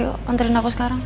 yaudah ayo antarin aku sekarang